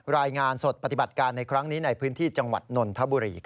รายงานสดปฏิบัติการในครั้งนี้ในพื้นที่จังหวัดนนทบุรี